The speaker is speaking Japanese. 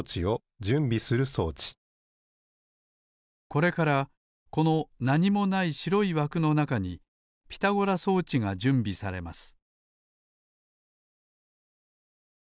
これからこのなにもないしろいわくのなかにピタゴラ装置がじゅんびされます